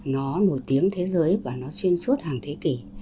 nó nổi tiếng thế giới và nó xuyên suốt hàng thế kỷ